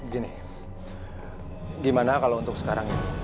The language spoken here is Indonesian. gini gimana kalau untuk sekarang ini